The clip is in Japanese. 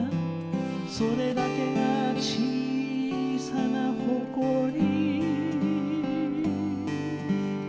「それだけが小さな誇り」